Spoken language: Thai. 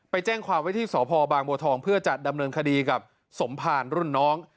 แจ้งความไว้ที่สพบางบัวทองเพื่อจัดดำเนินคดีกับสมภารรุ่นน้อง